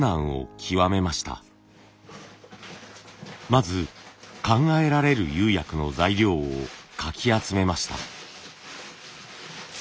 まず考えられる釉薬の材料をかき集めました。